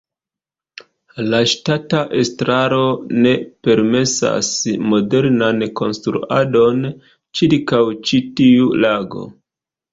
La ŝtata estraro ne permesas modernan konstruadon ĉirkaŭ ĉi tiu lago.